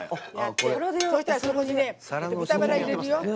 そうしたらそこに豚バラ入れるよ。